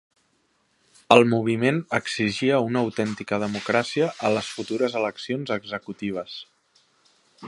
El moviment exigia una autèntica democràcia a les futures eleccions executives.